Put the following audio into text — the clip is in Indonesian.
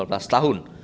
selama lima belas tahun